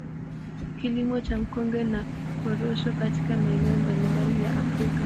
Kilimo cha mkonge na Korosho katika maeneo mbalimbali ya Afrika